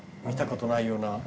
見たことないような？